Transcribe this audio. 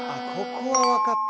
ここは分かった。